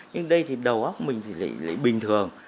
nhưng đây thì đầu óc mình thì lại bình thường